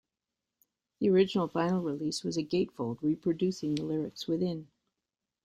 The original vinyl release was a gatefold, reproducing the lyrics within.